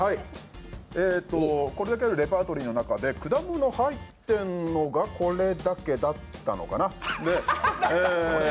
これだけあるレパートリーの中で果物入ってるのがこれだけだったのかな。